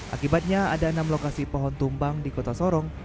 akibatnya ada enam lokasi pohon tumbang di kota sorong